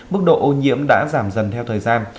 mức độ ô nhiễm đã giảm dần theo thời gian